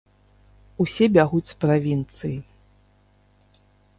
Усе бягуць з правінцыі!